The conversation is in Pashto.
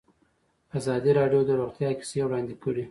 ازادي راډیو د روغتیا کیسې وړاندې کړي.